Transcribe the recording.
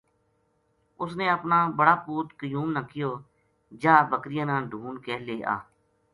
اس نے اپنا بڑا پُوت قیوم نا کہیو جاہ بکریاں نے ڈھُونڈ کے لے آ